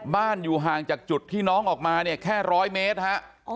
อยู่ห่างจากจุดที่น้องออกมาเนี่ยแค่๑๐๐เมตรฮะ